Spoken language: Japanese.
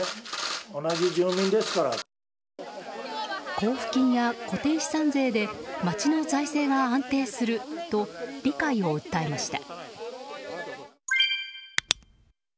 交付金や固定資産税で町の財政が安定すると理解を訴えました。